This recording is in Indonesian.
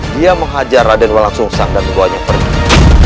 dia menghajar raden walang sungsang dan membawanya pergi